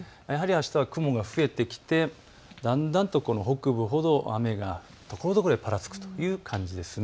あすは雲が増えてきてだんだんと北部ほど雨がところどころでぱらつくという感じです。